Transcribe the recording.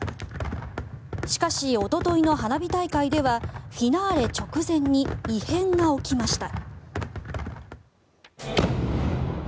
しかし、おとといの花火大会ではフィナーレ直前に異変が起きました。